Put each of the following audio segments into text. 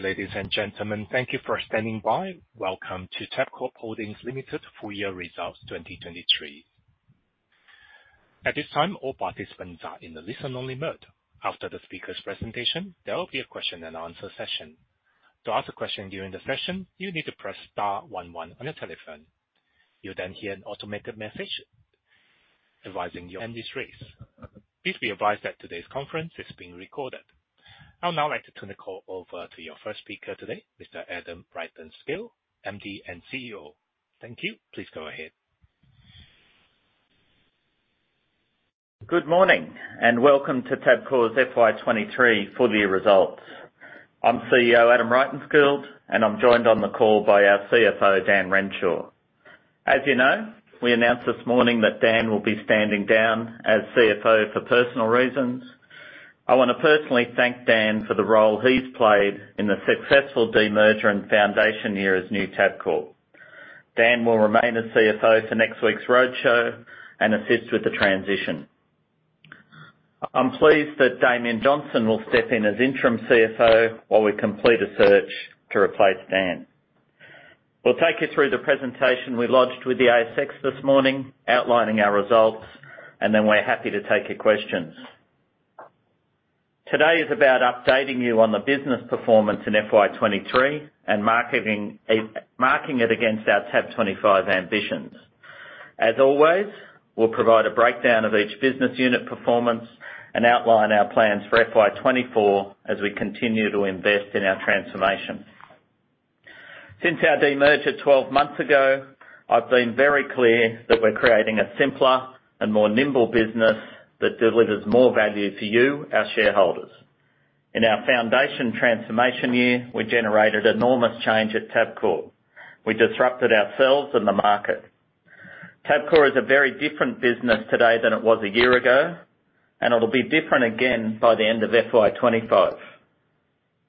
Ladies and gentlemen, thank you for standing by. Welcome to Tabcorp Holdings Limited Full Year Results 2023. At this time, all participants are in the listen-only mode. After the speaker's presentation, there will be a question and answer session. To ask a question during the session, you need to press star one one on your telephone. You'll then hear an automated message advising you on this race. Please be advised that today's conference is being recorded. I would now like to turn the call over to your first speaker today, Mr. Adam Rytenskild, MD and CEO. Thank you. Please go ahead. Good morning, welcome to Tabcorp's FY23 Full Year Results. I'm CEO, Adam Rytenskild, and I'm joined on the call by our CFO, Daniel Renshaw. As you know, we announced this morning that Dan will be standing down as CFO for personal reasons. I want to personally thank Dan for the role he's played in the successful demerger and foundation year as new Tabcorp. Dan will remain as CFO for next week's roadshow and assist with the transition. I'm pleased that Damien Johnston will step in as Interim CFO while we complete a search to replace Dan. We'll take you through the presentation we lodged with the ASX this morning, outlining our results, and then we're happy to take your questions. Today is about updating you on the business performance in FY23 and marketing, marking it against our TAB25 ambitions. As always, we'll provide a breakdown of each business unit performance and outline our plans for FY24 as we continue to invest in our transformation. Since our demerger 12 months ago, I've been very clear that we're creating a simpler and more nimble business that delivers more value to you, our shareholders. In our foundation transformation year, we generated enormous change at Tabcorp. We disrupted ourselves and the market. Tabcorp is a very different business today than it was a year ago, and it'll be different again by the end of FY25.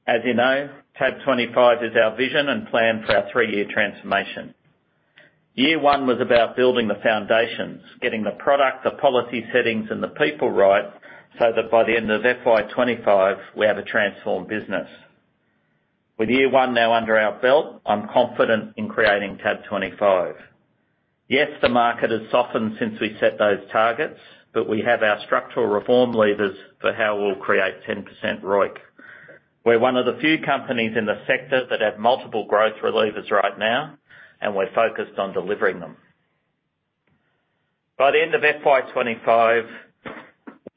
As you know, TAB25 is our vision and plan for our three-year transformation. Year one was about building the foundations, getting the product, the policy settings, and the people right, so that by the end of FY25, we have a transformed business. With year one now under our belt, I'm confident in creating TAB25. Yes, the market has softened since we set those targets, but we have our structural reform levers for how we'll create 10% ROIC. We're one of the few companies in the sector that have multiple growth levers right now, and we're focused on delivering them. By the end of FY25,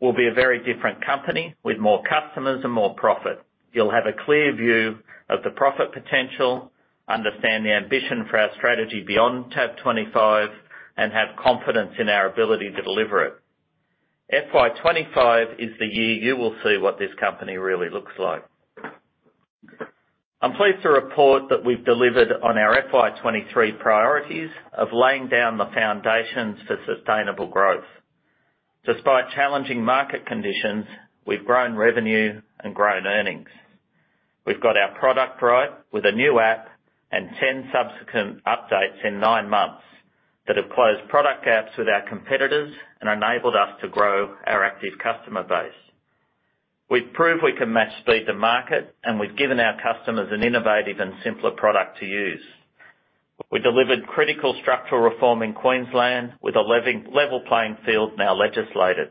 we'll be a very different company with more customers and more profit. You'll have a clear view of the profit potential, understand the ambition for our strategy beyond TAB25, and have confidence in our ability to deliver it. FY25 is the year you will see what this company really looks like. I'm pleased to report that we've delivered on our FY23 priorities of laying down the foundations for sustainable growth. Despite challenging market conditions, we've grown revenue and grown earnings. We've got our product right, with a new app and 10 subsequent updates in 9 months that have closed product gaps with our competitors and enabled us to grow our active customer base. We've proved we can match speed to market. We've given our customers an innovative and simpler product to use. We delivered critical structural reform in Queensland, with a level playing field now legislated.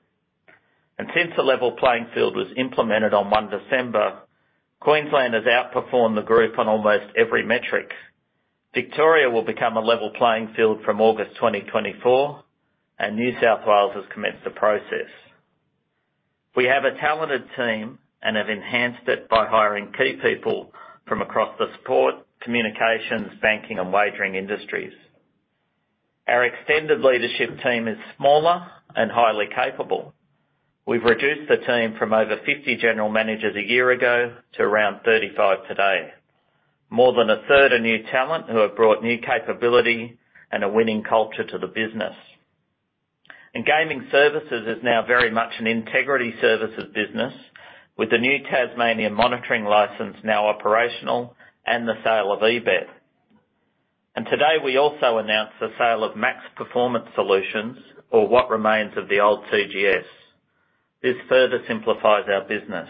Since the level playing field was implemented on 1 December, Queensland has outperformed the group on almost every metric. Victoria will become a level playing field from August 2024. New South Wales has commenced the process. We have a talented team and have enhanced it by hiring key people from across the sport, communications, banking, and wagering industries. Our extended leadership team is smaller and highly capable. We've reduced the team from over 50 general managers a year ago to around 35 today. More than a third are new talent, who have brought new capability and a winning culture to the business. Gaming Services is now very much an Integrity Services business, with the new Tasmanian monitoring license now operational and the sale of eBet. Today, we also announced the sale of Max Performance Solutions or what remains of the old CGS. This further simplifies our business.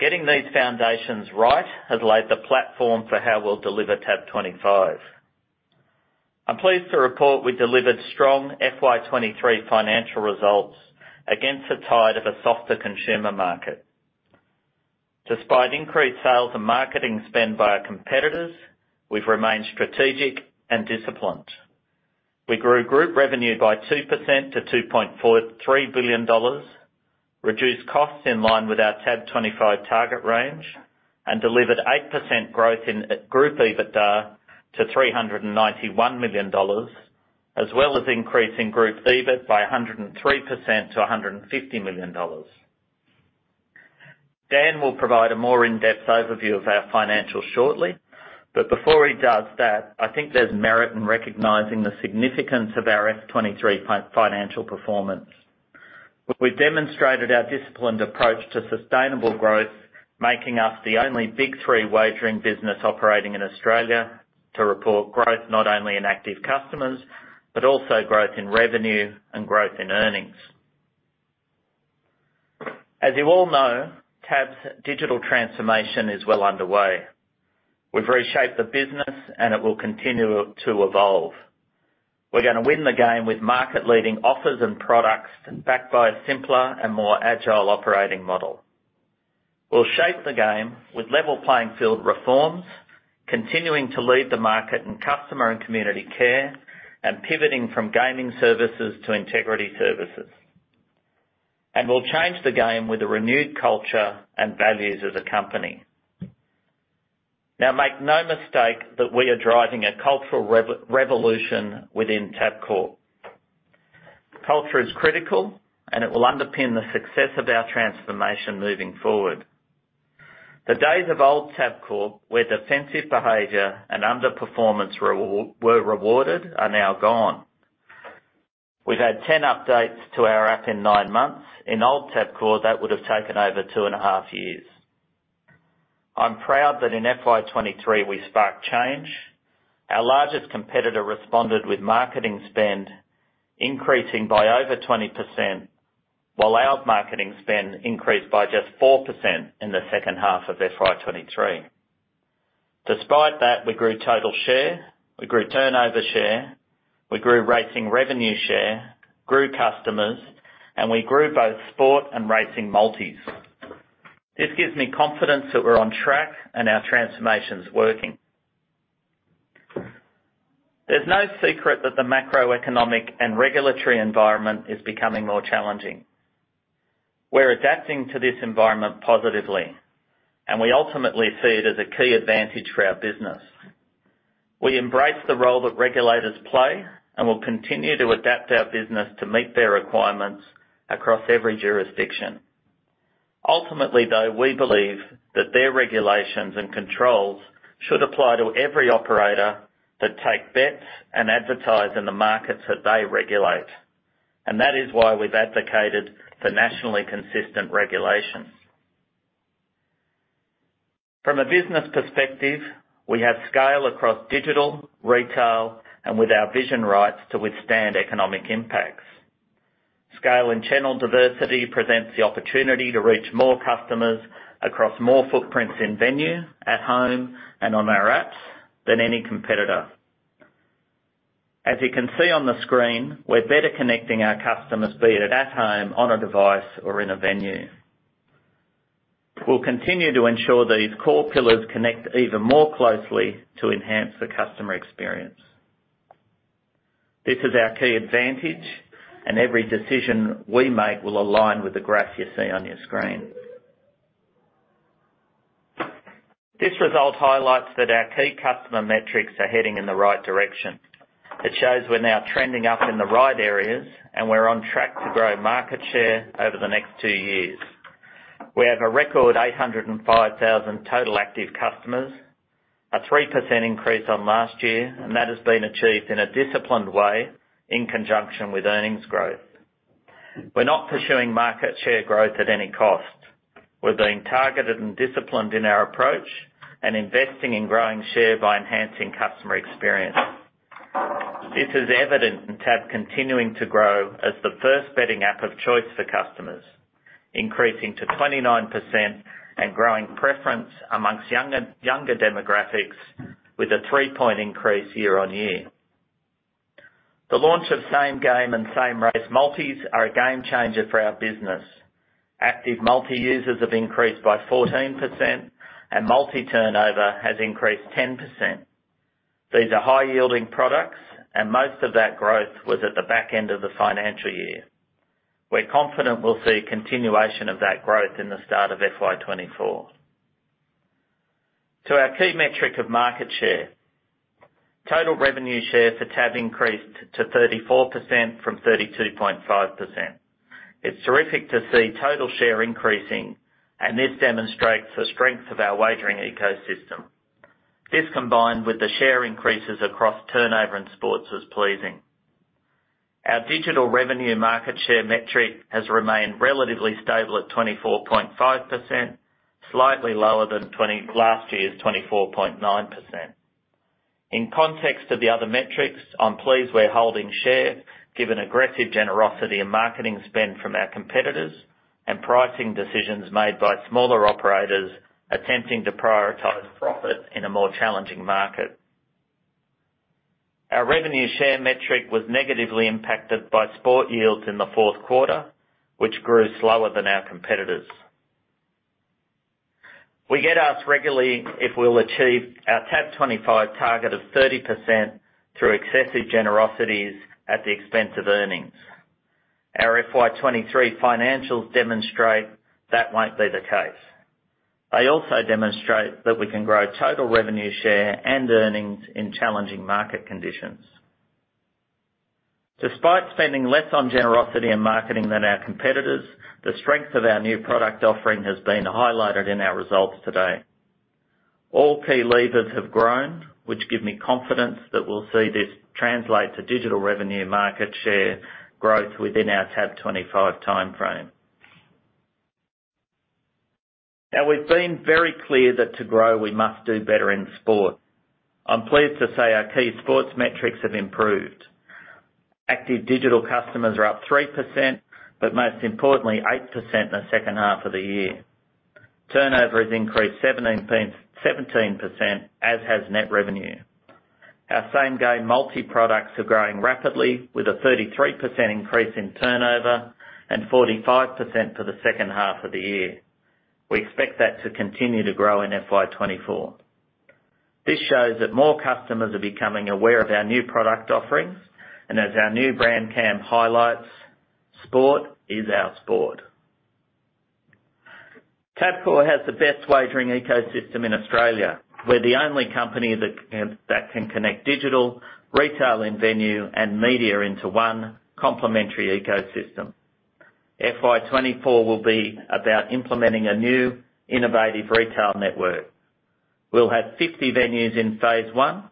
Getting these foundations right has laid the platform for how we'll deliver TAB25. I'm pleased to report we delivered strong FY23 financial results against the tide of a softer consumer market. Despite increased sales and marketing spend by our competitors, we've remained strategic and disciplined. We grew group revenue by 2% to 2.43 billion dollars, reduced costs in line with our TAB25 target range, and delivered 8% growth in group EBITDA to 391 million dollars, as well as increasing group EBIT by 103% to 150 million dollars. Dan will provide a more in-depth overview of our financials shortly, but before he does that, I think there's merit in recognizing the significance of our FY23 financial performance. We've demonstrated our disciplined approach to sustainable growth, making us the only big three wagering business operating in Australia to report growth not only in active customers, but also growth in revenue and growth in earnings. As you all know, Tab's digital transformation is well underway. We've reshaped the business, and it will continue to evolve. We're going to win the game with market-leading offers and products, backed by a simpler and more agile operating model. We'll shape the game with level playing field reforms, continuing to lead the market in customer and community care, and pivoting from gaming services to Integrity Services. We'll change the game with a renewed culture and values as a company. Now, make no mistake that we are driving a cultural revolution within Tabcorp. Culture is critical, and it will underpin the success of our transformation moving forward. The days of old Tabcorp, where defensive behavior and underperformance were rewarded, are now gone. We've had 10 updates to our app in 9 months. In old Tabcorp, that would have taken over two and a half years. I'm proud that in FY23, we sparked change. Our largest competitor responded with marketing spend, increasing by over 20%, while our marketing spend increased by just 4% in the H2 of FY23. Despite that, we grew total share, we grew turnover share, we grew racing revenue share, grew customers, and we grew both sport and racing multis. This gives me confidence that we're on track and our transformation's working. There's no secret that the macroeconomic and regulatory environment is becoming more challenging. We're adapting to this environment positively, and we ultimately see it as a key advantage for our business. We embrace the role that regulators play and will continue to adapt our business to meet their requirements across every jurisdiction. Ultimately, though, we believe that their regulations and controls should apply to every operator that take bets and advertise in the markets that they regulate, and that is why we've advocated for nationally consistent regulations. From a business perspective, we have scale across digital, retail, and with our vision rights to withstand economic impacts. Scale and channel diversity presents the opportunity to reach more customers across more footprints in-venue, at home, and on our apps than any competitor. As you can see on the screen, we're better connecting our customers, be it at home, on a device, or in a venue. We'll continue to ensure these core pillars connect even more closely to enhance the customer experience. This is our key advantage, and every decision we make will align with the graph you see on your screen. This result highlights that our key customer metrics are heading in the right direction. It shows we're now trending up in the right areas. We're on track to grow market share over the next 2 years. We have a record 805,000 total active customers, a 3% increase on last year, and that has been achieved in a disciplined way in conjunction with earnings growth. We're not pursuing market share growth at any cost. We're being targeted and disciplined in our approach and investing in growing share by enhancing customer experience. This is evident in Tab continuing to grow as the first betting app of choice for customers, increasing to 29% and growing preference amongst younger demographics with a 3-point increase year-on-year. The launch of Same Game and Same Race multis are a game changer for our business. Active multi-users have increased by 14%. Multi-turnover has increased 10%. These are high-yielding products, and most of that growth was at the back end of the financial year. We're confident we'll see a continuation of that growth in the start of FY24. To our key metric of market share, total revenue share for Tab increased to 34% from 32.5%. It's terrific to see total share increasing, and this demonstrates the strength of our wagering ecosystem. This, combined with the share increases across turnover and sports, is pleasing. Our digital revenue market share metric has remained relatively stable at 24.5%, slightly lower than last year's 24.9%. In context of the other metrics, I'm pleased we're holding share, given aggressive generosity and marketing spend from our competitors, and pricing decisions made by smaller operators attempting to prioritize profits in a more challenging market. Our revenue share metric was negatively impacted by sport yields in the Q4, which grew slower than our competitors. We get asked regularly if we'll achieve our TAB25 target of 30% through excessive generosities at the expense of earnings. Our FY23 financials demonstrate that won't be the case. They also demonstrate that we can grow total revenue share and earnings in challenging market conditions. Despite spending less on generosity and marketing than our competitors, the strength of our new product offering has been highlighted in our results today. All key levers have grown, which give me confidence that we'll see this translate to digital revenue market share growth within our TAB25 timeframe. We've been very clear that to grow, we must do better in sport. I'm pleased to say our key sports metrics have improved. Active digital customers are up 3%, most importantly, 8% in the H2 of the year. Turnover has increased 17%, as has net revenue. Our Same Game Multi products are growing rapidly, with a 33% increase in turnover and 45% for the H2 of the year. We expect that to continue to grow in FY24. This shows that more customers are becoming aware of our new product offerings, as our new brand campaign highlights, sport is our sport. Tabcorp has the best wagering ecosystem in Australia. We're the only company that can connect digital, retail, and venue, and media into one complementary ecosystem. FY24 will be about implementing a new innovative retail network. We'll have 50 venues in phase 1,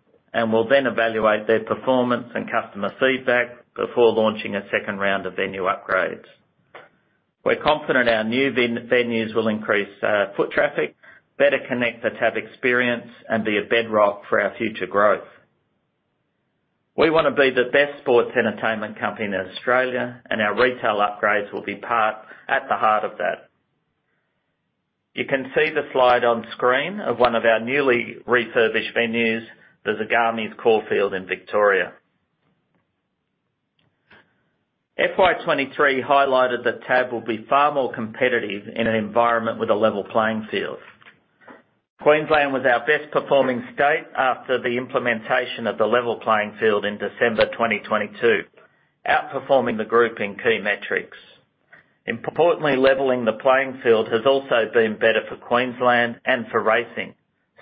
we'll then evaluate their performance and customer feedback before launching a second round of venue upgrades. We're confident our new venues will increase foot traffic, better connect the Tab experience, and be a bedrock for our future growth. We want to be the best sports entertainment company in Australia, our retail upgrades will be part at the heart of that. You can see the slide on screen of one of our newly refurbished venues, the Zagame's Caulfield in Victoria. FY23 highlighted that Tab will be far more competitive in an environment with a level playing field. Queensland was our best-performing state after the implementation of the level playing field in December 2022, outperforming the group in key metrics. Importantly, leveling the playing field has also been better for Queensland and for racing,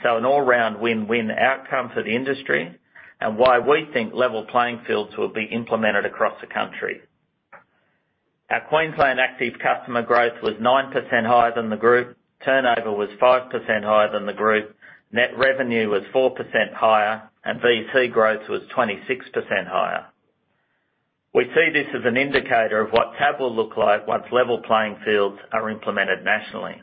an all-round win-win outcome for the industry, and why we think level playing fields will be implemented across the country. Our Queensland active customer growth was 9% higher than the group. Turnover was 5% higher than the group, net revenue was 4% higher, and VC growth was 26% higher. We see this as an indicator of what Tab will look like once level playing fields are implemented nationally.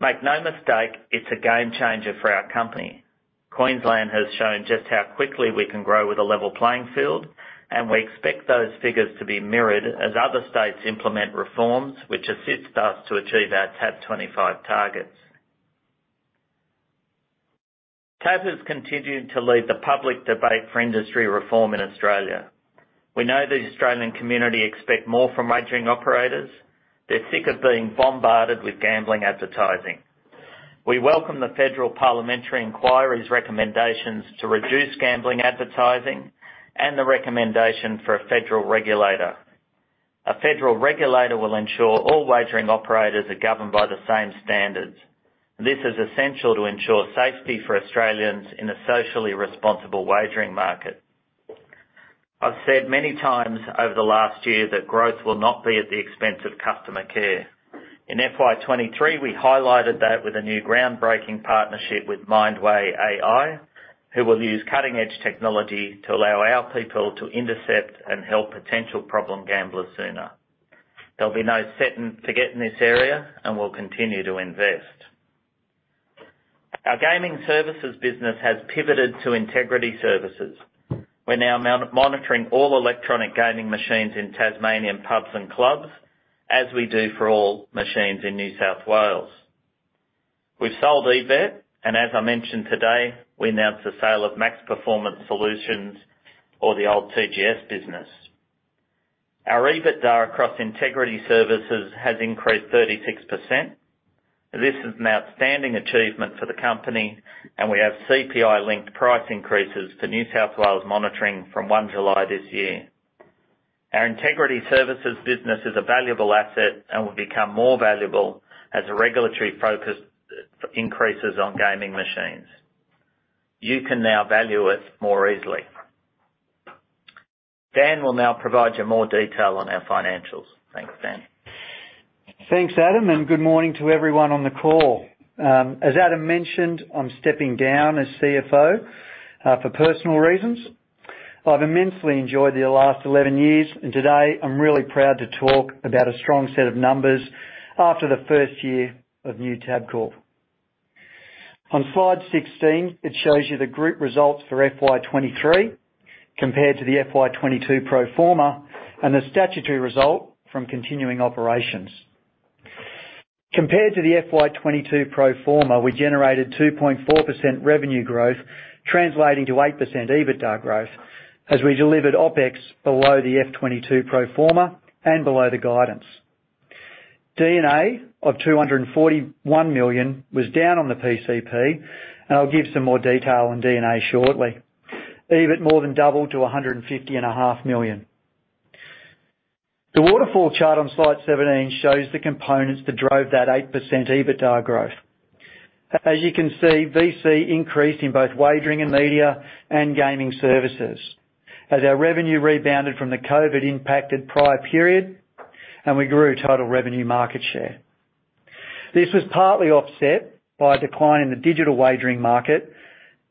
Make no mistake, it's a game changer for our company. Queensland has shown just how quickly we can grow with a level playing field, and we expect those figures to be mirrored as other states implement reforms, which assists us to achieve our TAB25 targets. Tab has continued to lead the public debate for industry reform in Australia. We know the Australian community expect more from wagering operators. They're sick of being bombarded with gambling advertising. We welcome the Federal Parliamentary Inquiry's recommendations to reduce gambling advertising and the recommendation for a federal regulator. A federal regulator will ensure all wagering operators are governed by the same standards. This is essential to ensure safety for Australians in a socially responsible wagering market. I've said many times over the last year that growth will not be at the expense of customer care. In FY23, we highlighted that with a new groundbreaking partnership with Mindway AI, who will use cutting-edge technology to allow our people to intercept and help potential problem gamblers sooner. There'll be no setting to get in this area. We'll continue to invest. Our gaming services business has pivoted to Integrity Services. We're now monitoring all electronic gaming machines in Tasmanian pubs and clubs, as we do for all machines in New South Wales. We've sold eBet. As I mentioned today, we announced the sale of Max Performance Solutions or the old TGS business. Our EBITDA across Integrity Services has increased 36%. This is an outstanding achievement for the company. We have CPI-linked price increases for New South Wales monitoring from 1 July this year. Our Integrity Services business is a valuable asset and will become more valuable as the regulatory focus increases on gaming machines. You can now value it more easily. Dan will now provide you more detail on our financials. Thanks, Dan. Thanks, Adam. Good morning to everyone on the call. As Adam mentioned, I'm stepping down as CFO for personal reasons. I've immensely enjoyed the last 11 years. Today I'm really proud to talk about a strong set of numbers after the first year of new Tabcorp. On Slide 16, it shows you the group results for FY23 compared to the FY22 pro forma and the statutory result from continuing operations. Compared to the FY22 pro forma, we generated 2.4% revenue growth, translating to 8% EBITDA growth, as we delivered OpEx below the FY22 pro forma and below the guidance. D&A of 241 million was down on the PCP. I'll give some more detail on D&A shortly. EBIT more than doubled to 150.5 million. The waterfall chart on slide 17 shows the components that drove that 8% EBITDA growth. As you can see, VC increased in both wagering and media and gaming services, as our revenue rebounded from the COVID-impacted prior period, and we grew total revenue market share. This was partly offset by a decline in the digital wagering market,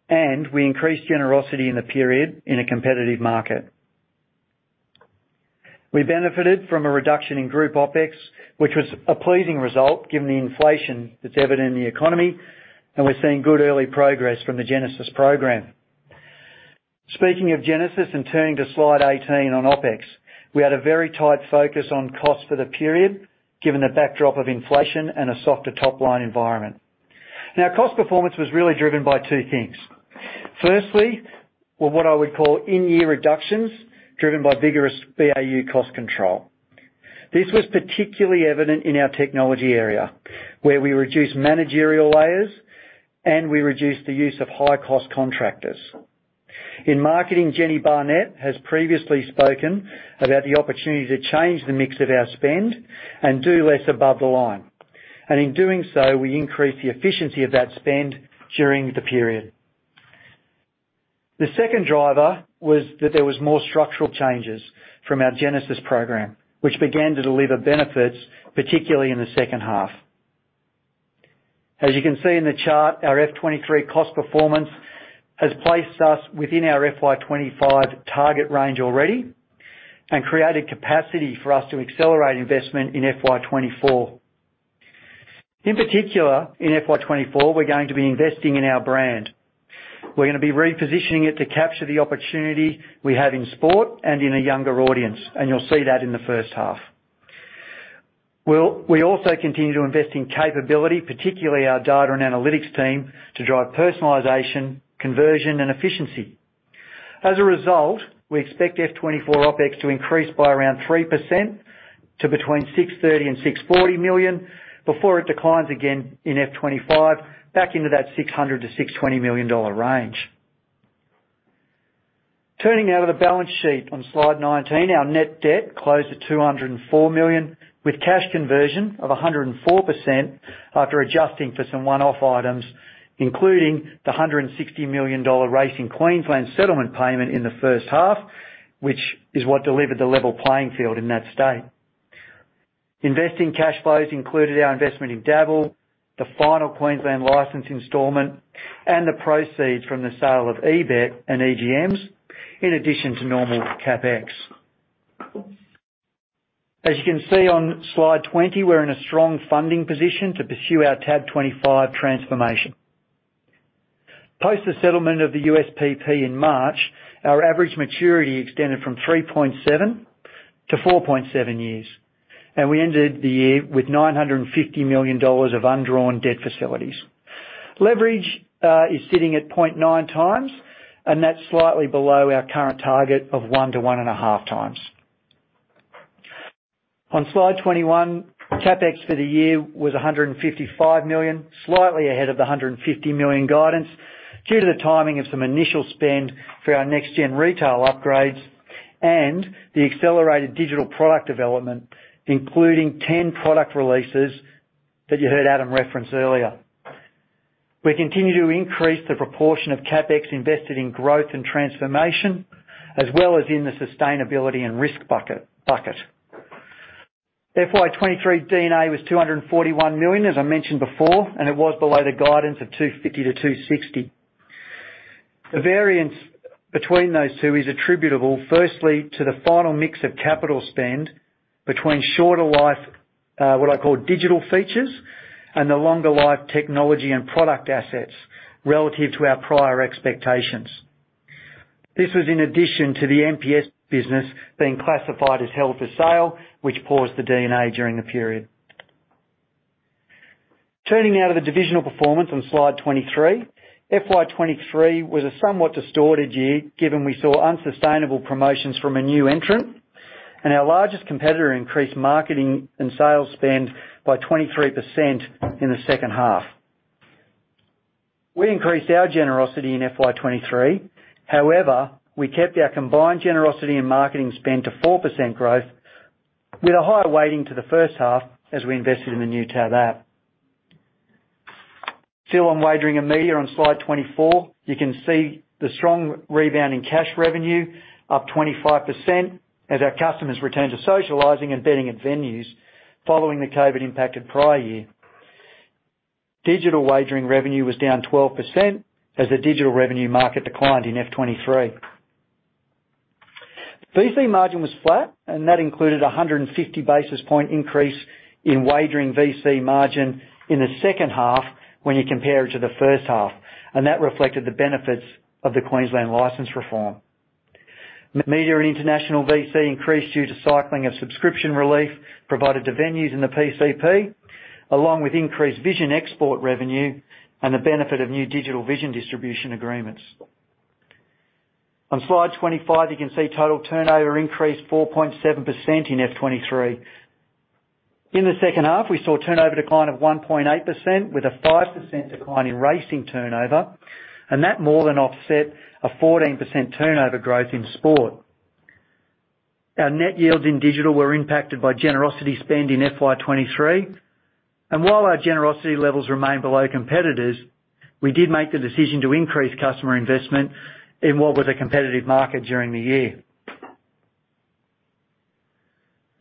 and we increased generosity in the period in a competitive market -- We benefited from a reduction in group OpEx, which was a pleasing result, given the inflation that's evident in the economy, and we're seeing good early progress from the Genesis program. Speaking of Genesis, and turning to slide 18 on OpEx, we had a very tight focus on cost for the period, given the backdrop of inflation and a softer top-line environment. Now, cost performance was really driven by two things. Firstly, were what I would call in-year reductions, driven by vigorous BAU cost control. This was particularly evident in our technology area, where we reduced managerial layers, we reduced the use of high-cost contractors. In marketing, Jenni Barnett has previously spoken about the opportunity to change the mix of our spend and do less above the line, in doing so, we increased the efficiency of that spend during the period. The second driver was that there was more structural changes from our Genesis program, which began to deliver benefits, particularly in the H2. As you can see in the chart, our FY23 cost performance has placed us within our FY25 target range already created capacity for us to accelerate investment in FY24. In particular, in FY24, we're going to be investing in our brand. We're gonna be repositioning it to capture the opportunity we have in sport and in a younger audience, you'll see that in the H1. We also continue to invest in capability, particularly our Data & Analytics Team, to drive personalization, conversion, and efficiency. As a result, we expect FY24 OpEx to increase by around 3% to between 630 million and 640 million before it declines again in FY25 back into that 600 million-620 million dollar range. Turning now to the balance sheet on Slide 19, our net debt closed at 204 million, with cash conversion of 104% after adjusting for some one-off items, including the 160 million dollar Racing Queensland settlement settlement payment in the H1, which is what delivered the level playing field in that state. Investing cash flows included our investment in Dabble, the final Queensland license installment, and the proceeds from the sale of eBet and EGMs, in addition to normal CapEx. As you can see on Slide 20, we're in a strong funding position to pursue our TAB25 transformation. Post the settlement of the USPP in March, our average maturity extended from 3.7 to 4.7 years, and we ended the year with 950 million dollars of undrawn debt facilities. Leverage is sitting at 0.9x, and that's slightly below our current target of 1-1.5x. On Slide 21, CapEx for the year was 155 million, slightly ahead of the 150 million guidance, due to the timing of some initial spend for our next-gen retail upgrades and the accelerated digital product development, including 10 product releases that you heard Adam reference earlier. We continue to increase the proportion of CapEx invested in growth and transformation, as well as in the sustainability and risk bucket. FY23 D&A was 241 million, as I mentioned before, and it was below the guidance of 250 million-260 million. The variance between those two is attributable, firstly, to the final mix of capital spend between shorter-life, what I call digital features, and the longer-life technology and product assets relative to our prior expectations. This was in addition to the NPS business being classified as held for sale, which paused the D&A during the period. Turning now to the divisional performance on Slide 23, FY23 was a somewhat distorted year, given we saw unsustainable promotions from a new entrant, and our largest competitor increased marketing and sales spend by 23% in the H2. We increased our generosity in FY23. However, we kept our combined generosity and marketing spend to 4% growth with a higher weighting to the H1 as we invested in the new Tab app. Still on wagering and media on Slide 24, you can see the strong rebound in cash revenue, up 25%, as our customers returned to socializing and betting at venues following the COVID-impacted prior year. Digital wagering revenue was down 12% as the digital revenue market declined in FY23. VC margin was flat, and that included a 150 basis point increase in wagering VC margin in the H2 when you compare it to the H1, and that reflected the benefits of the Queensland license reform. Media and international VC increased due to cycling of subscription relief provided to venues in the PCP, along with increased vision export revenue and the benefit of new digital vision distribution agreements. On Slide 25, you can see total turnover increased 4.7% in FY23. In the H2, we saw a turnover decline of 1.8% with a 5% decline in racing turnover, and that more than offset a 14% turnover growth in sport. Our net yields in digital were impacted by generosity spend in FY23, and while our generosity levels remain below competitors, we did make the decision to increase customer investment in what was a competitive market during the year.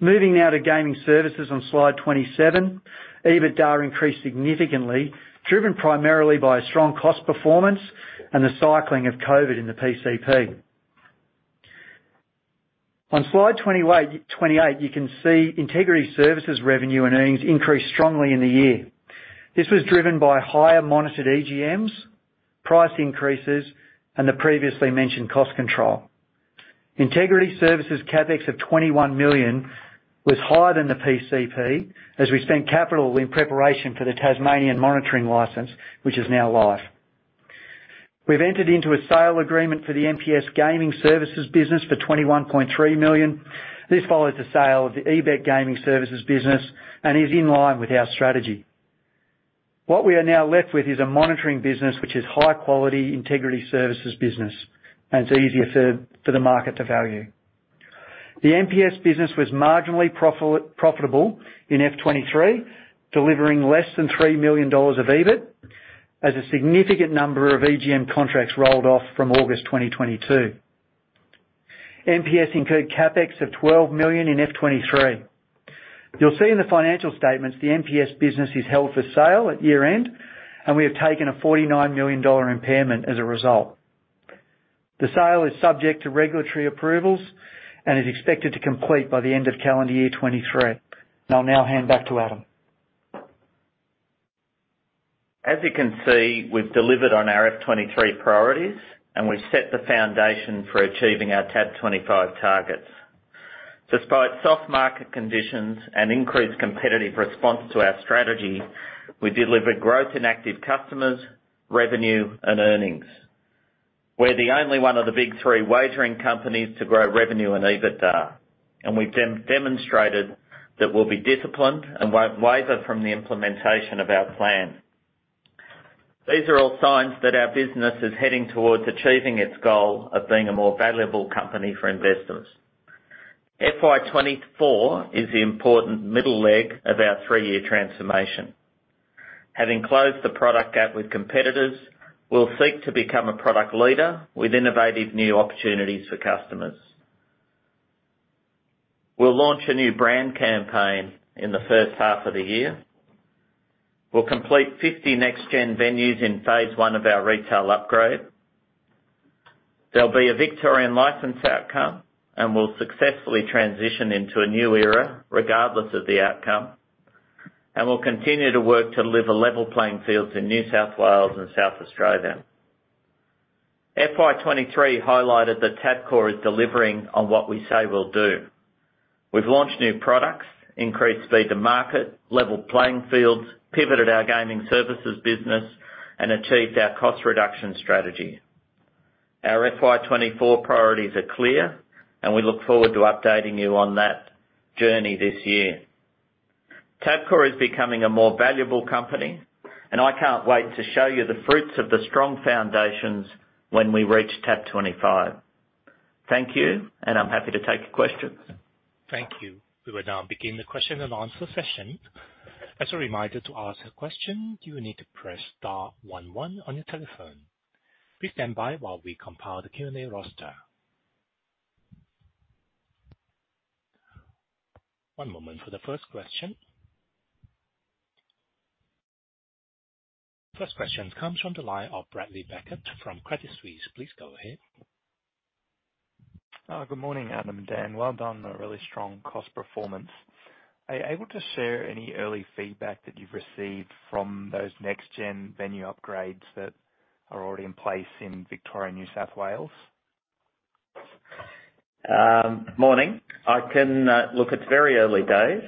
Moving now to gaming services on slide 27. EBITDA increased significantly, driven primarily by strong cost performance and the cycling of COVID in the PCP. On slide 28, you can see Integrity Services revenue and earnings increased strongly in the year. This was driven by higher monitored EGMs, price increases, and the previously mentioned cost control. Integrity Services CapEx of 21 million was higher than the PCP, as we spent capital in preparation for the Tasmanian monitoring license, which is now live. We've entered into a sale agreement for the MPS Gaming Services business for AUD 21.3 million. This follows the sale of the eBet Gaming Services business and is in line with our strategy. What we are now left with is a monitoring business, which is high quality Integrity Services business, and it's easier for the market to value. The MPS business was marginally profitable in FY23, delivering less than 3 million dollars of EBIT, as a significant number of EGM contracts rolled off from August 2022. MPS incurred CapEx of 12 million in FY23. You'll see in the financial statements, the MPS business is held for sale at year-end, and we have taken an 49 million dollar impairment as a result. The sale is subject to regulatory approvals and is expected to complete by the end of calendar year 2023. I'll now hand back to Adam. As you can see, we've delivered on our FY23 priorities, and we've set the foundation for achieving our TAB25 targets. Despite soft market conditions and increased competitive response to our strategy, we delivered growth in active customers, revenue, and earnings. We're the only one of the big three wagering companies to grow revenue and EBITDA, and we've demonstrated that we'll be disciplined and won't waver from the implementation of our plan. These are all signs that our business is heading towards achieving its goal of being a more valuable company for investors. FY24 is the important middle leg of our three-year transformation. Having closed the product gap with competitors, we'll seek to become a product leader with innovative new opportunities for customers. We'll launch a new brand campaign in the H1 of the year. We'll complete 50 next-gen venues in phase one of our retail upgrade. There'll be a Victorian license outcome, and we'll successfully transition into a new era, regardless of the outcome, and we'll continue to work to deliver level playing fields in New South Wales and South Australia. FY23 highlighted that Tabcorp is delivering on what we say we'll do. We've launched new products, increased speed to market, leveled playing fields, pivoted our gaming services business, and achieved our cost reduction strategy. Our FY24 priorities are clear, and we look forward to updating you on that journey this year. Tabcorp is becoming a more valuable company, and I can't wait to show you the fruits of the strong foundations when we reach TAB25. Thank you, and I'm happy to take your questions. Thank you. We will now begin the question and answer session. As a reminder, to ask a question, you will need to press star one one on your telephone. Please stand by while we compile the Q&A roster. One moment for the first question. First question comes from the line of Bradley Beckett from Credit Suisse. Please go ahead. Good morning, Adam and Dan. Well done on a really strong cost performance. Are you able to share any early feedback that you've received from those next-gen venue upgrades that are already in place in Victoria and New South Wales? Morning. I can... Look, it's very early days.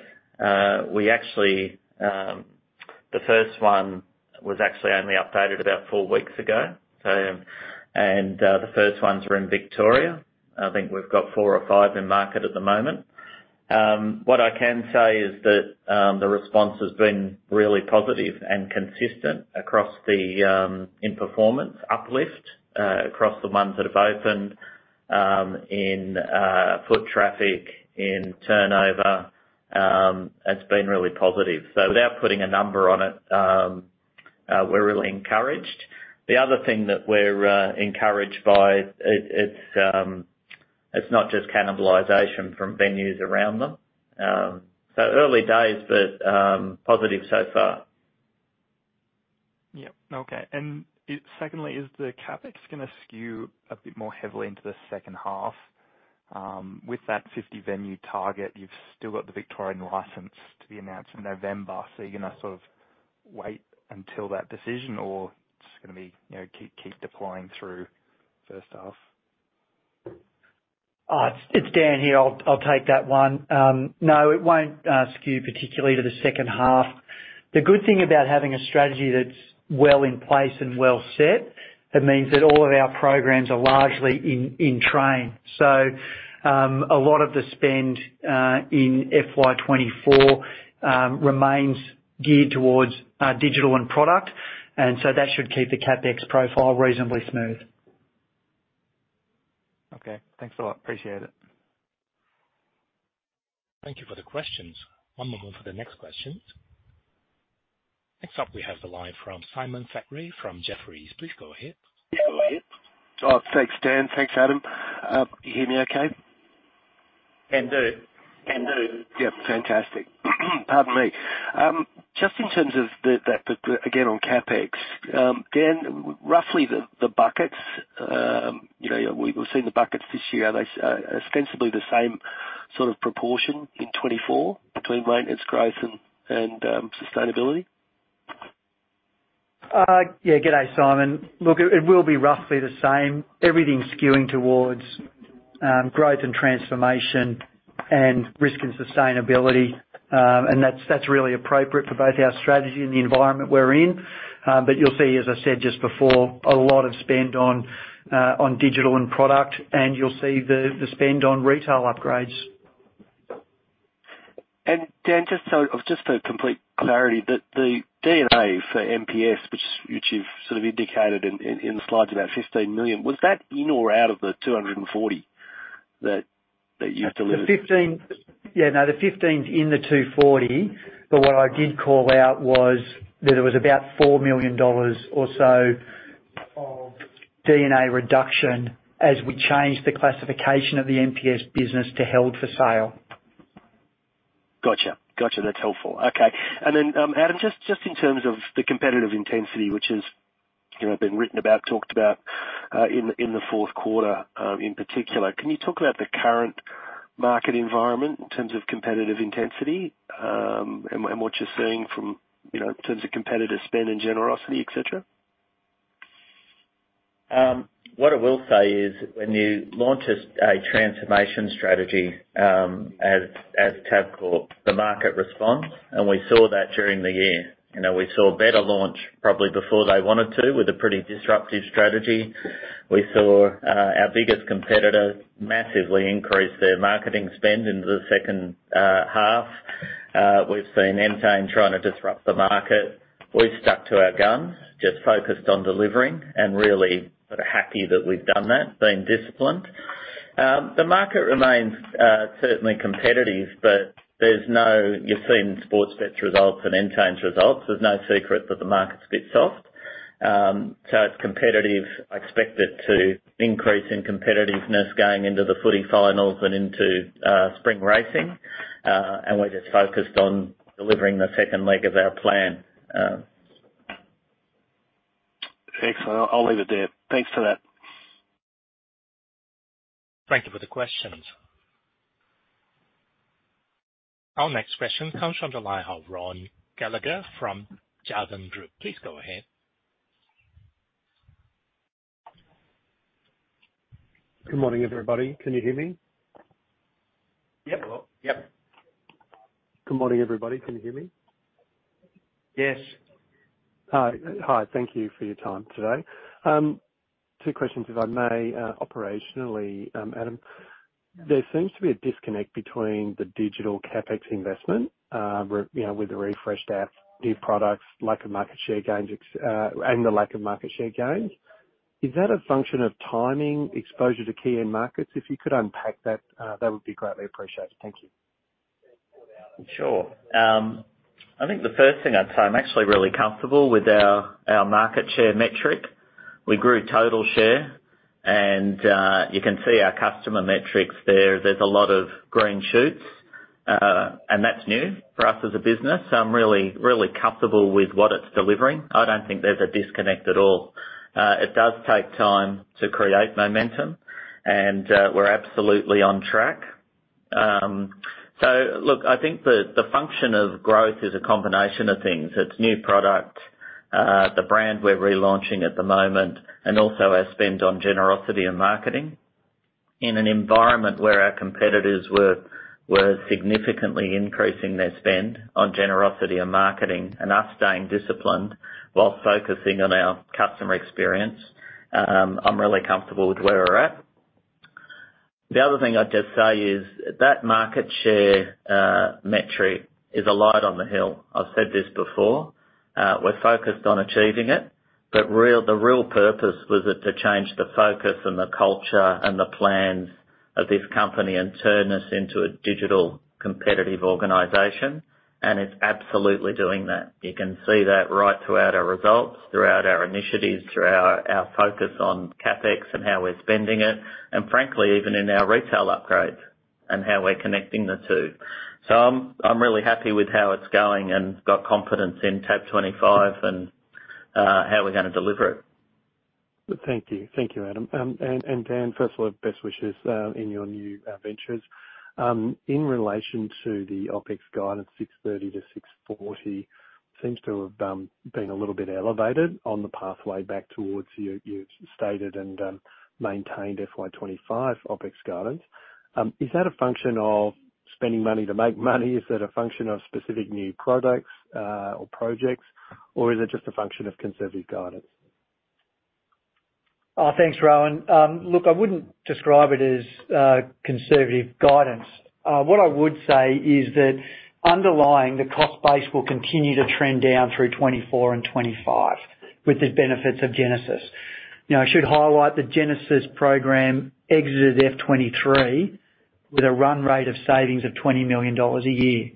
We actually, the first one was actually only updated about four weeks ago, the first ones were in Victoria. I think we've got four or five in market at the moment. What I can say is that the response has been really positive and consistent across the in performance uplift across the ones that have opened in foot traffic, in turnover. It's been really positive. Without putting a number on it, we're really encouraged. The other thing that we're encouraged by, it's not just cannibalization from venues around them. Early days, but positive so far. Yeah. Okay. Secondly, is the CapEx gonna skew a bit more heavily into the H2? With that 50 venue target, you've still got the Victorian license to be announced in November, so are you gonna sort of wait until that decision, or just gonna be, you know, keep, keep deploying through H1? It's, it's Dan here. I'll, I'll take that one. No, it won't skew particularly to the H2. The good thing about having a strategy that's well in place and well set, it means that all of our programs are largely in, in train. A lot of the spend in FY24 remains geared towards digital and product, and so that should keep the CapEx profile reasonably smooth. Okay. Thanks a lot. Appreciate it. Thank you for the questions. One moment for the next question. Next up, we have the line from Simon Thackray from Jefferies. Please go ahead. Yeah. Oh, thanks, Dan. Thanks, Adam. Can you hear me okay? Can do. Can do. Yep, fantastic. Pardon me. Just in terms of the, that, again, on CapEx, Dan, roughly the, the buckets. You know, we've seen the buckets this year. Are they ostensibly the same sort of proportion in 24 between maintenance, growth, and sustainability? Yeah. Good day, Simon. Look, it, it will be roughly the same. Everything's skewing towards growth and transformation and risk and sustainability. That's, that's really appropriate for both our strategy and the environment we're in. You'll see, as I said just before, a lot of spend on digital and product, and you'll see the, the spend on retail upgrades. Dan, just for complete clarity, the D&A for MPS, which you've sort of indicated in the slides, about 15 million, was that in or out of the 240 million that you've delivered? The 15... Yeah, no, the 15's in the 240. What I did call out was that there was about 4 million dollars or so of D&A reduction as we changed the classification of the MPS business to held for sale. Gotcha. Gotcha, that's helpful. Okay. Then, Adam, just, just in terms of the competitive intensity, which has, you know, been written about, talked about, in, in the Q4, in particular, can you talk about the current market environment in terms of competitive intensity, and what you're seeing from, you know, in terms of competitor spend and generosity, et cetera? What I will say is, when you launch a, a transformation strategy, as, as Tabcorp, the market responds, and we saw that during the year. You know, we saw Betr launch probably before they wanted to, with a pretty disruptive strategy. We saw our biggest competitor massively increase their marketing spend into the H2. We've seen Entain trying to disrupt the market. We've stuck to our guns, just focused on delivering, and really happy that we've done that, being disciplined. The market remains certainly competitive, but there's no-- You've seen Sportsbet's results and Entain's results. There's no secret that the market's a bit soft. So it's competitive. I expect it to increase in competitiveness going into the footy finals and into spring racing. And we're just focused on delivering the second leg of our plan. Excellent. I'll leave it there. Thanks for that. Thank you for the questions. Our next question comes from the line of Rohan Gallagher from Jarden Group. Please go ahead. Good morning, everybody. Can you hear me? Yep. Yep. Good morning, everybody. Can you hear me? Yes. Hi. Thank you for your time today. Two questions, if I may. Operationally, Adam, there seems to be a disconnect between the digital CapEx investment, you know, with the refreshed apps, new products, lack of market share gains, and the lack of market share gains. Is that a function of timing, exposure to key end markets? If you could unpack that, that would be greatly appreciated. Thank you. Sure. I think the first thing I'd say, I'm actually really comfortable with our, our market share metric. We grew total share, and you can see our customer metrics there. There's a lot of green shoots, and that's new for us as a business. I'm really, really comfortable with what it's delivering. I don't think there's a disconnect at all. It does take time to create momentum, and we're absolutely on track. Look, I think the function of growth is a combination of things. It's new product, the brand we're relaunching at the moment, and also our spend on generosity and marketing. In an environment where our competitors were, were significantly increasing their spend on generosity and marketing, and us staying disciplined while focusing on our customer experience, I'm really comfortable with where we're at. The other thing I'd just say is, that market share, metric is a light on the hill. I've said this before. We're focused on achieving it, but real- the real purpose was to change the focus and the culture and the plans of this company and turn this into a digital competitive organization, and it's absolutely doing that. You can see that right throughout our results, throughout our initiatives, through our, our focus on CapEx and how we're spending it, and frankly, even in our retail upgrades and how we're connecting the two. I'm, I'm really happy with how it's going and got confidence in Tab25 and, how we're going to deliver it. Thank you. Thank you, Adam. Dan, first of all, best wishes in your new ventures. In relation to the OpEx guidance, 630 million-640 million, seems to have been a little bit elevated on the pathway back towards your stated and maintained FY25 OpEx guidance. Is that a function of spending money to make money? Is it a function of specific new products or projects, or is it just a function of conservative guidance? Thanks, Rohan. Look, I wouldn't describe it as conservative guidance. What I would say is that underlying, the cost base will continue to trend down through 2024 and 2025 with the benefits of Genesis. I should highlight the Genesis program exited '23 with a run rate of savings of $20 million a year.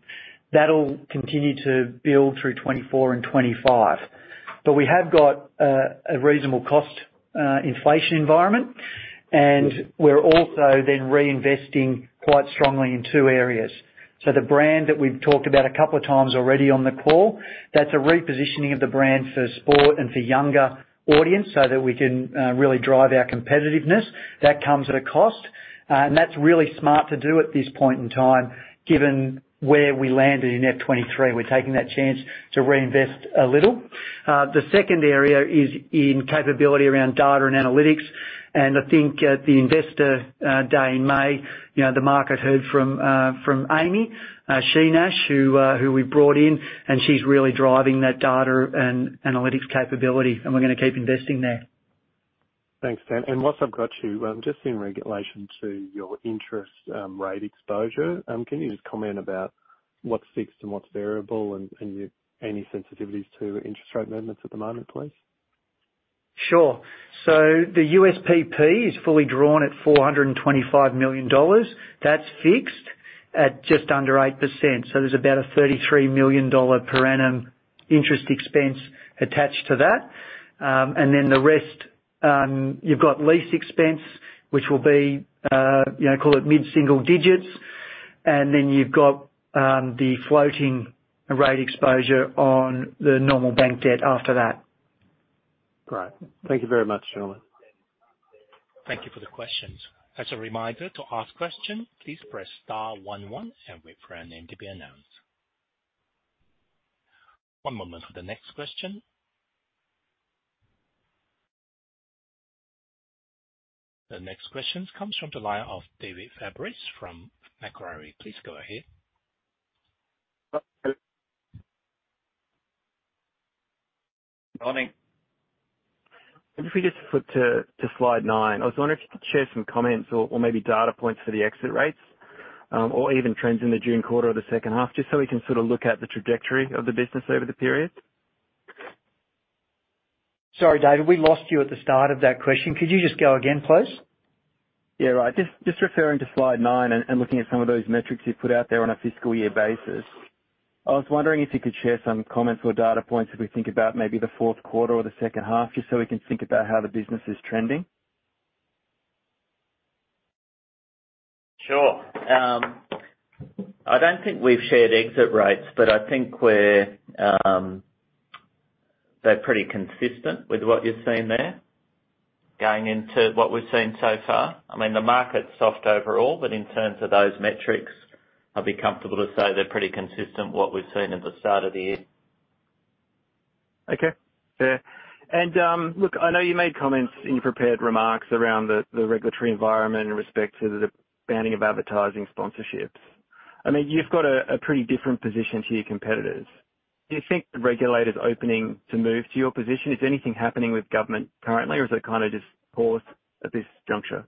That'll continue to build through '24 and '25. We have got a reasonable cost inflation environment, and we're also then reinvesting quite strongly in two areas. The brand that we've talked about a couple of times already on the call, that's a repositioning of the brand for sport and for younger audience, so that we can really drive our competitiveness. That comes at a cost, and that's really smart to do at this point in time, given where we landed in FY23. We're taking that chance to reinvest a little. The second area is in capability around data and analytics. I think at the investor day in May, you know, the market heard from from Amy Shi-Nash, who who we brought in. She's really driving that data and analytics capability. We're gonna keep investing there. Thanks, Dan. Whilst I've got you, just in regulation to your interest rate exposure, can you just comment about what's fixed and what's variable and, and any sensitivities to interest rate movements at the moment, please? Sure. The USPP is fully drawn at $425 million. That's fixed at just under 8%, so there's about a $33 million per annum interest expense attached to that. The rest, you've got lease expense, which will be, you know, call it mid-single digits, and then you've got the floating rate exposure on the normal bank debt after that. Great. Thank you very much, gentlemen. Thank you for the questions. As a reminder, to ask question, please press star one one and wait for your name to be announced. One moment for the next question. The next question comes from the line of David Fabris from Macquarie. Please go ahead. Good morning. If we just flip to, to slide nine, I was wondering if you could share some comments or, or maybe data points for the exit rates, or even trends in the June quarter or the H2, just so we can sort of look at the trajectory of the business over the period. Sorry, David, we lost you at the start of that question. Could you just go again, please? Yeah, right. Just, just referring to slide nine and, and looking at some of those metrics you've put out there on a fiscal year basis. I was wondering if you could share some comments or data points, as we think about maybe the Q4 or the H2, just so we can think about how the business is trending? Sure. I don't think we've shared exit rates, but I think we're, they're pretty consistent with what you're seeing there, going into what we've seen so far. I mean, the market's soft overall, but in terms of those metrics, I'd be comfortable to say they're pretty consistent what we've seen at the start of the year. Okay. Fair. Look, I know you made comments in your prepared remarks around the, the regulatory environment in respect to the banning of advertising sponsorships. I mean, you've got a, a pretty different position to your competitors. Do you think the regulator is opening to move to your position? Is anything happening with government currently, or is it kind of just paused at this juncture?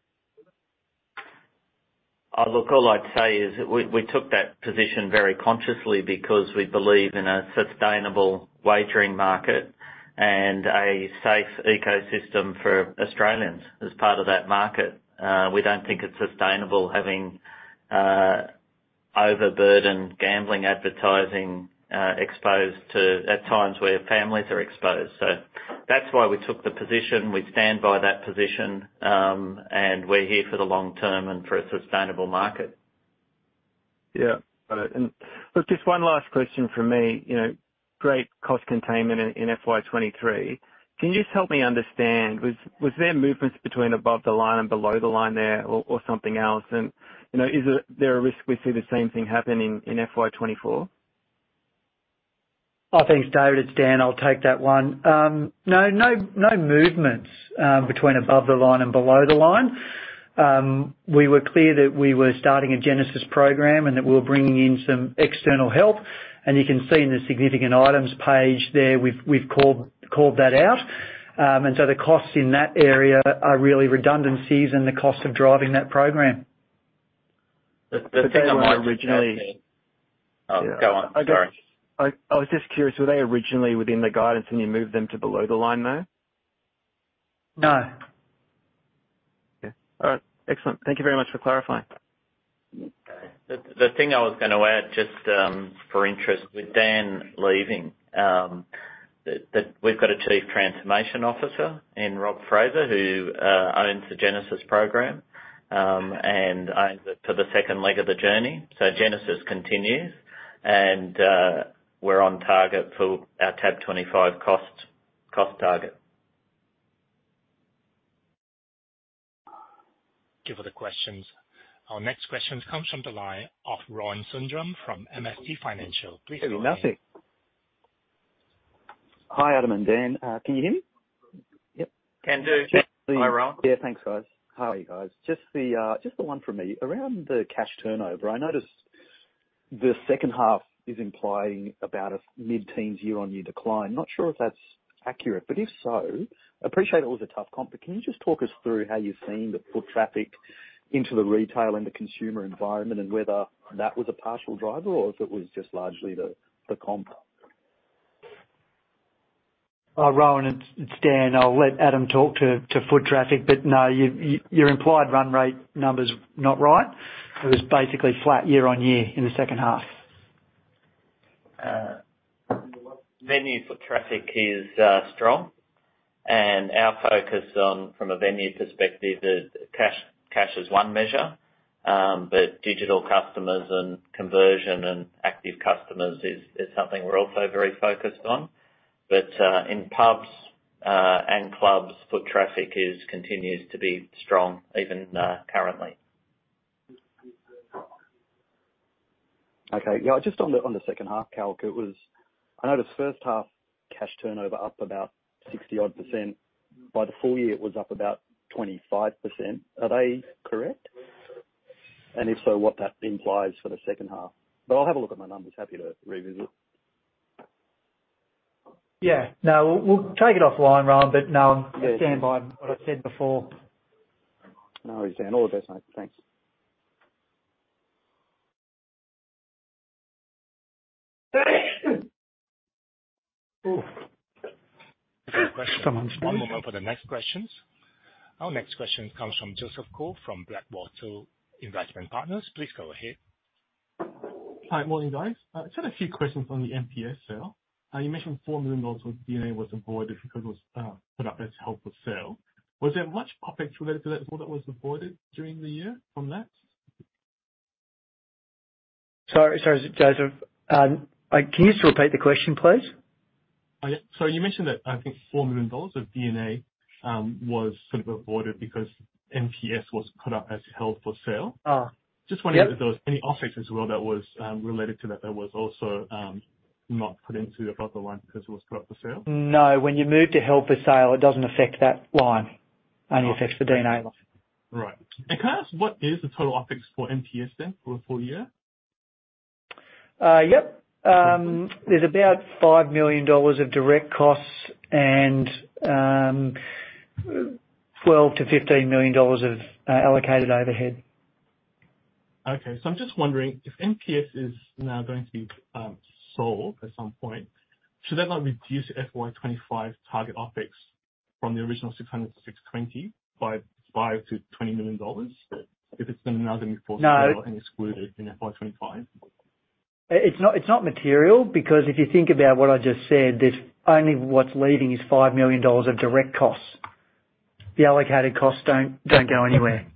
Look, all I'd say is we, we took that position very consciously because we believe in a sustainable wagering market and a safe ecosystem for Australians as part of that market. We don't think it's sustainable having overburdened gambling advertising exposed to at times where families are exposed. That's why we took the position. We stand by that position, and we're here for the long term and for a sustainable market. Yeah. Got it. Look, just one last question from me. You know, great cost containment in, in FY23. Can you just help me understand, was there movements between above the line and below the line there or, or something else? You know, is there a risk we see the same thing happen in, in FY24? Oh, thanks, David. It's Dan. I'll take that one. No, no, no movements between above the line and below the line. We were clear that we were starting a Genesis program and that we were bringing in some external help, and you can see in the significant items page there, we've, we've called, called that out. The costs in that area are really redundancies and the cost of driving that program. The thing I originally- Go on. Sorry. I, I was just curious, were they originally within the guidance, and you moved them to below the line, though? No. Okay. All right. Excellent. Thank you very much for clarifying. The thing I was gonna add, just, for interest, with Dan leaving, we've got a Chief Transformation Officer in Robert Fraser, who owns the Genesis program, and owns it for the second leg of the journey. Genesis continues, and we're on target for our TAB25 costs, cost target. Thank you for the questions. Our next question comes from the line of Rohan Sundram from MST Financial. Please go ahead. Hi, Adam and Dan. Can you hear me? Yep. Can do. Thanks. Hi, Rohan. Yeah, thanks, guys. Hi, guys. Just the, just the one from me. Around the cash turnover, I noticed the H2 is implying about a mid-teens year-on-year decline. Not sure if that's accurate, but if so, appreciate it was a tough comp, but can you just talk us through how you've seen the foot traffic into the retail and the consumer environment, and whether that was a partial driver or if it was just largely the, the comp? Rohan, it's Dan. I'll let Adam talk to foot traffic. No, your implied run rate number's not right. It was basically flat year-on-year in the H2. Venue foot traffic is strong. Our focus on, from a venue perspective is cash. Cash is one measure. Digital customers and conversion and active customers is something we're also very focused on. In pubs and clubs, foot traffic continues to be strong even currently. Okay. Yeah, just on the, on the H2 calc, it was... I noticed H1 cash turnover up about 60% odd. By the full year, it was up about 25%. Are they correct? If so, what that implies for the H2. I'll have a look at my numbers. Happy to revisit. Yeah. No, we'll take it offline, Rohan, but no, I stand by what I said before. No, it's Dan. All the best. Thanks. One moment for the next questions. Our next question comes from Joseph Koh, from Blackwattle Investment Partners. Please go ahead. Hi. Morning, guys. Just had a few questions on the NPS sale. You mentioned $4 million of D&A was avoided because it was, put up as held for sale. Was there much OpEx related to that at all, that was avoided during the year from that? Sorry, sorry, Joseph. Can you just repeat the question, please? Oh, yeah. You mentioned that, I think 4 million dollars of D&A was sort of avoided because NPS was put up as held for sale. Ah. Just wondering. Yep. if there was any offset as well, that was, related to that, that was also, not put into the proper line because it was put up for sale. No. When you move to held for sale, it doesn't affect that line. Right. Only affects the D&A line. Right. Can I ask, what is the total OpEx for NPS then, for the full year? Yep. There's about 5 million dollars of direct costs and 12 million-15 million dollars of allocated overhead. I'm just wondering, if NPS is now going to be sold at some point, should that not reduce FY25 target OpEx from the original 600 million-620 million by AUD 5 million-AUD 20 million? No. excluded in FY25. It's not, it's not material because if you think about what I just said, there's only what's leaving is 5 million dollars of direct costs. The allocated costs don't, don't go anywhere.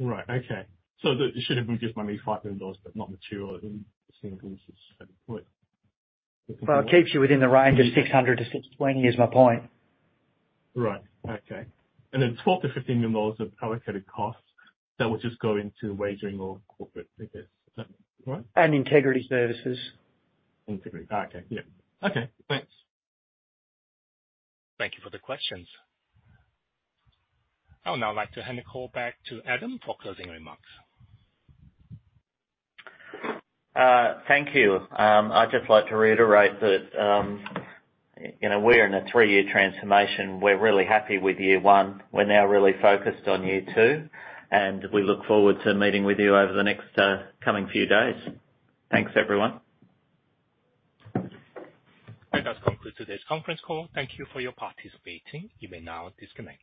Right. Okay. That it should have been just maybe 5 million dollars, but not material then, seeing this is at point. Well, it keeps you within the range of 600 to 620, is my point. Right. Okay. Then 12 million-15 million dollars of allocated costs, that will just go into wagering or corporate, I guess. Is that right? Integrity Services. Integrity. Okay. Yeah. Okay, thanks. Thank you for the questions. I would now like to hand the call back to Adam for closing remarks. Thank you. I'd just like to reiterate that, you know, we're in a three-year transformation. We're really happy with year one. We're now really focused on year two. We look forward to meeting with you over the next coming few days. Thanks, everyone. That concludes today's conference call. Thank you for your participating. You may now disconnect.